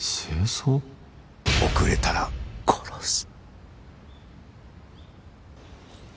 「遅れたら殺す！」